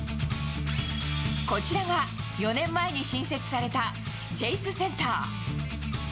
こちらが４年前に新設されたチェイス・センター。